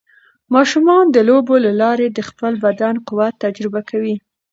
ماشومان د لوبو له لارې د خپل بدن قوت تجربه کوي.